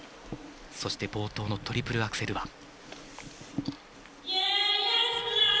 そして冒頭のトリプルアクセルは。